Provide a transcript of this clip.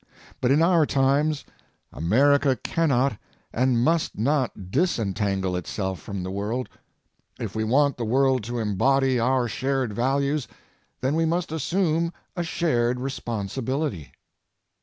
But in our times, America cannot and must not disentangle itself from the world. If we want the world to embody our shared values, then we must assume a shared responsibility.